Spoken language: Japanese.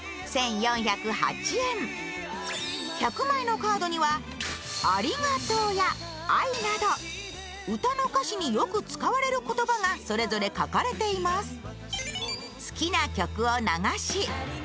１００枚のカードには、ありがとうや愛など歌の歌詞によく使われる言葉がそれぞれ書かれています。